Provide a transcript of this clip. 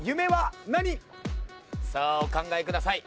さあお考えください。